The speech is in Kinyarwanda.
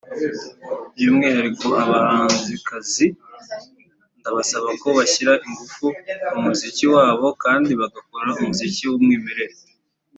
By’umwihariko abahanzikazi ndabasaba ko bashyira ingufu mu muziki wabo kandi bagakora umuziki w’umwimerere